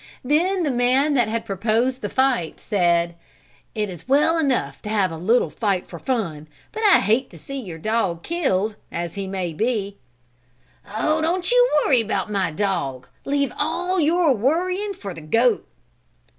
Then the man that had proposed the fight said: "It is all well enough to have a little fight for fun but I hate to see your dog killed, as he may be." "Oh, don't you worry about my dog. Leave all your worrying for the goat."